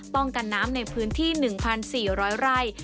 ป้องกันน้ำในพื้นที่๑๔๐๐ไร่